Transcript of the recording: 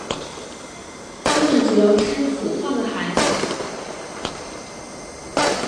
它们主要吃腐化的海草。